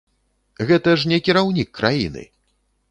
Гэта ж не кіраўнік краіны!